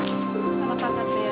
selamat pak satria